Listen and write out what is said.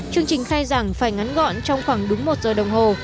chương trình khai giảng phải ngắn gọn trong khoảng đúng một giờ đồng hồ